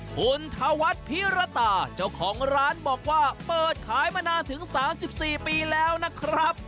คุณธวัฒน์พิรตาเจ้าของร้านบอกว่าเปิดขายมานานถึง๓๔ปีแล้วนะครับ